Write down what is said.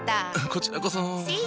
こちらこそ。